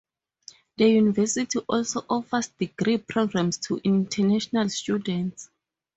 The university also offers degree programs to international students.